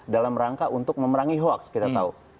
dalam rangka untuk memerangi hoax kita tahu